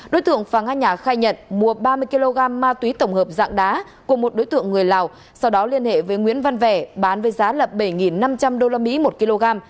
đối tượng phà nga khai nhận mua ba mươi kg ma túy tổng hợp dạng đá của một đối tượng người lào sau đó liên hệ với nguyễn văn vẻ bán với giá là bảy năm trăm linh usd một kg